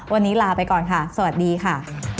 วันนี้ลาไปก่อนค่ะสวัสดีค่ะ